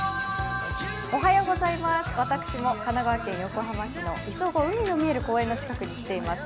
私も神奈川県横浜市の磯子、海の見える公園に来ています。